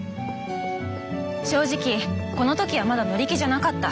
正直この時はまだ乗り気じゃなかった。